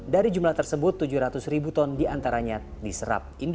dari jumlah tersebut tujuh ratus ribu ton diantaranya diserap